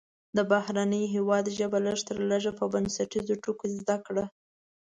د بهرني هیواد ژبه لږ تر لږه په بنسټیزو ټکو زده کړه.